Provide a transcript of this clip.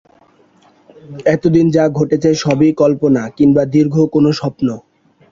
এতদিন যা ঘটেছে সবই কল্পনা কিংবা দীর্ঘ কোনো স্বপ্ন।